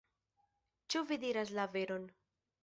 Ĉu vi diras la veron?